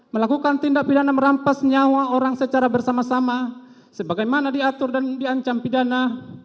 melakukan tindak pidana merampas nyawa orang secara bersama sama sebagaimana diatur dan diancam pidana